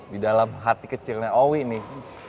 di dalam hati kecilnya owi nih